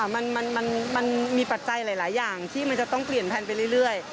มันมีปัจจัยหลายอย่างที่มันจะต้องเปลี่ยนแพลนไปเรื่อย